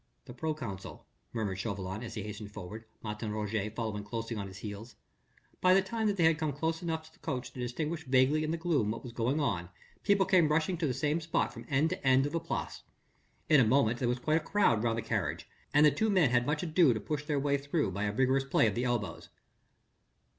"The proconsul," murmured Chauvelin as he hastened forward, Martin Roget following closely on his heels. By the time that they had come near enough to the coach to distinguish vaguely in the gloom what was going on, people came rushing to the same spot from end to end of the Place. In a moment there was quite a crowd round the carriage, and the two men had much ado to push their way through by a vigorous play of their elbows.